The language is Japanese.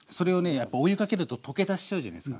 やっぱお湯かけると溶け出しちゃうじゃないすか。